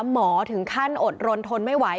หมอถึงขั้นอดรนทนไม่ไหว